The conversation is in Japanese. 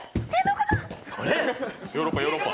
ヨーロッパ、ヨーロッパ！